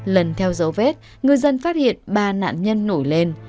lần theo dấu vết ngư dân phát hiện ba nạn nhân nổi lên